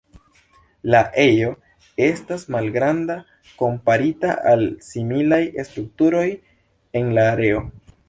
La ejo estas malgranda komparita al similaj strukturoj en la areo.